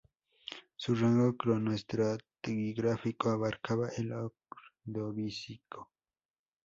Su rango cronoestratigráfico abarcaba el Ordovícico.